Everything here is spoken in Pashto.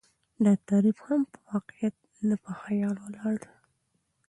دا تعريف هم په واقعيت نه، په خيال ولاړ دى